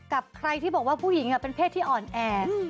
กับใครที่บอกว่าผู้หญิงเป็นเพศที่อ่อนแอ